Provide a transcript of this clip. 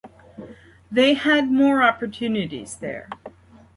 They had more opportunities there.